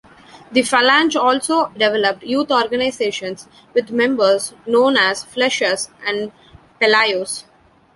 The Falange also developed youth organizations, with members known as "Flechas" and "Pelayos".